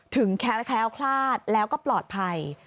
แค้วคลาดแล้วก็ปลอดภัย